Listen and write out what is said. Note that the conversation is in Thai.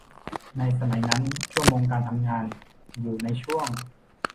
ในสมัยนั้นชั่วโมงการทำงานอยู่ในช่วง